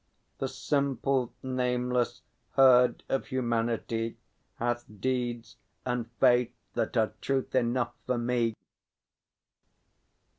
The simple nameless herd of Humanity Hath deeds and faith that are truth enough for me!